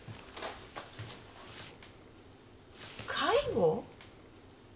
「介護」？